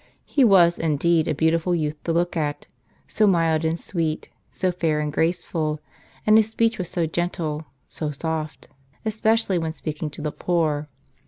He was indeed a beautiful youth to look at : so mild and sweet, so fair and graceful ; and his speech was so gentle, so soft, especially when speaking to the poor.